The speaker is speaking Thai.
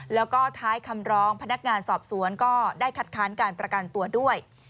แล้วก็ท้ายคำร้องพนักงานสอบสวนก็ได้คัดค้านการประกันตัวด้วย